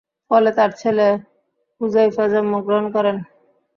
ফলে তার ছেলে হুযাইফা জন্ম গ্রহণ করেন।